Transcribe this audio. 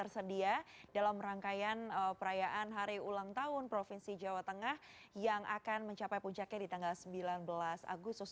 sedia dalam rangkaian perayaan hari ulang tahun provinsi jawa tengah yang akan mencapai puncaknya di tanggal sembilan belas agustus dua ribu dua puluh tiga